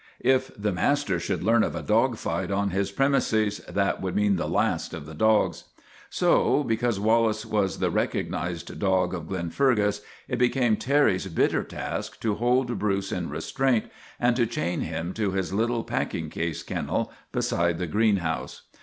If the master should learn of a dog fight on his premises, that would mean the last of the dogs. So, because Wal lace was the recognized dog of Glenfergus, it be came Terry's bitter task to hold Bruce in restraint and to chain him to his little packing case kennel beside the greenhouse.